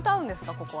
ここは。